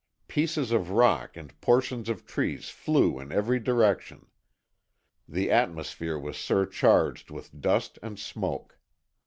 Pieces of rock and portions of trees flew in every direction. The atmosphere was surcharged with dust and smoke.